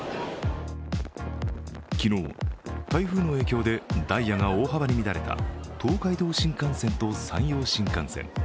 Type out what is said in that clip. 昨日、台風の影響でダイヤが大幅に乱れた東海道新幹線と山陽新幹線。